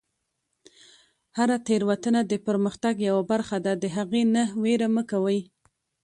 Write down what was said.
هره تیروتنه د پرمختګ یوه برخه ده، د هغې نه ویره مه کوئ.